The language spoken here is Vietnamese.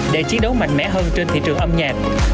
để chiến đấu mạnh mẽ hơn trên thị trường âm nhạc